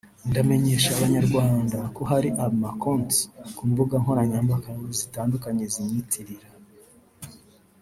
"Ndamenyesha Abanyarwanda ko hari ama konti ku mbuga nkoranyambaga zitandukanye zinyiyitirira